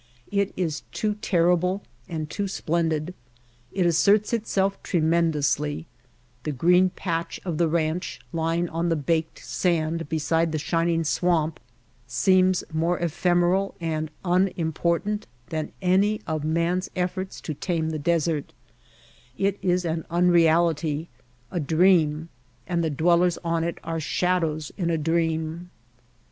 It is too terrible and too splendid. It asserts itself tremendously; the green patch of the ranch lying on the baked sand beside the shining swamp seems more ephemeral and un important than any of man's efforts to tame the desert; it is an unreality, a dream, and the dwell Strangest Farm in the World ers on it are shadows in a dream.